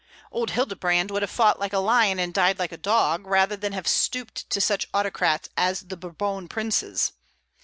Old Hildebrand would have fought like a lion and died like a dog, rather than have stooped to such autocrats as the Bourbon princes.